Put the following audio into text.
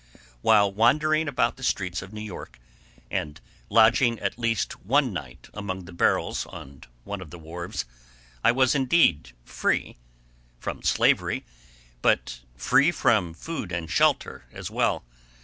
While wandering about the streets of New York, and lodging at least one night among the barrels on one of the wharves, I was indeed free—from slavery, but free from food and shelter as well.